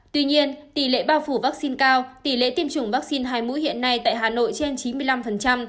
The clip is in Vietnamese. tuy nhiên tỷ lệ bao phủ vaccine cao tỷ lệ tiêm chủng vaccine hai mũi hiện nay tại hà nội trên chín mươi năm